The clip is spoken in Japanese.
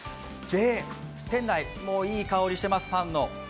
店内、いい香りしてます、パンの。